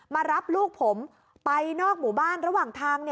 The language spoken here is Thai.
มารับลูกผมไปนอกหมู่บ้านระหว่างทาง